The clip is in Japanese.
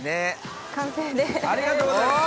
完成です。